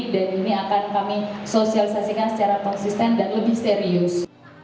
dan ini akan kami sosialisasikan secara konsisten dan lebih serius